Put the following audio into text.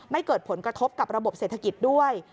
เกิดผลกระทบกับระบบเศรษฐกิจด้วย